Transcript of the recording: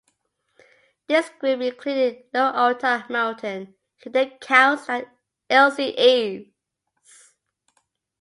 This group included Lou Alta Melton, Hilda Counts and Elsie Eaves.